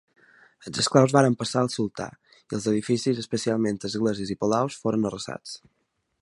Els esclaus van passar al sultà i els edificis, especialment esglésies i palaus, foren arrasats.